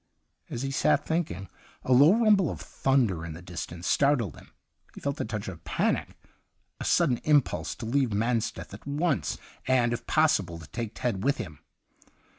As he sat thinking, a low rumble of thunder in the dis tance startled him. He felt a touch of panic — a sudden impulse to leave Mansteth at once and, if possible, to take Ted with him.